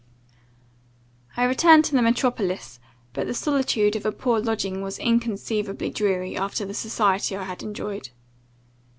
"I returned to the metropolis; but the solitude of a poor lodging was inconceivably dreary, after the society I had enjoyed.